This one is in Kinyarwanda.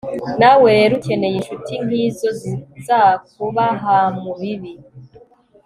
nawe rero ukeneye incuti nk izo zizakuba hamu bibi